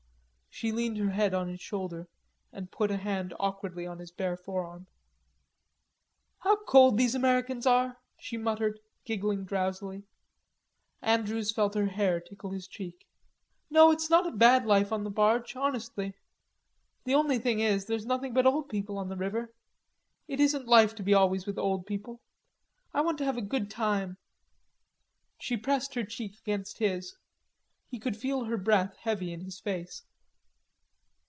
She leaned her head on his shoulder and put a hand awkwardly on his bare forearm. "How cold these Americans are!" she muttered, giggling drowsily. Andrews felt her hair tickle his cheek. "No, it's not a bad life on the barge, honestly. The only thing is, there's nothing but old people on the river. It isn't life to be always with old people.... I want to have a good time." She pressed her cheek against his. He could feel her breath heavy in his face.